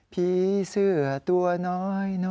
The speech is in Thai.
ผีเสื้อตัวน้อย